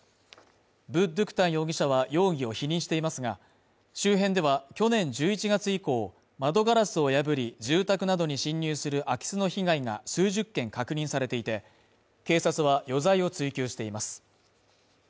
ヴ・ドゥク・タン容疑者は容疑を否認していますが、周辺では去年１１月以降、窓ガラスを破り、住宅などに侵入する空き巣の被害が数十件確認されていて、警察は余罪を追及しています。